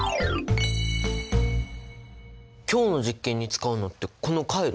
今日の実験に使うのってこのカイロ？